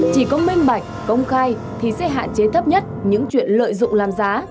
chỉ có minh bạch công khai thì sẽ hạn chế thấp nhất những chuyện lợi dụng làm giá